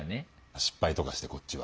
失敗とかしてこっちは。